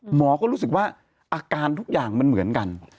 หมอก็รู้สึกว่าอาการทุกอย่างมันเหมือนกัน